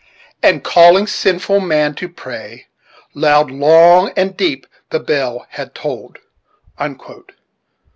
"And calling sinful man to pray, Loud, long, and deep the bell had tolled."